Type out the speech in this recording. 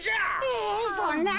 えそんな。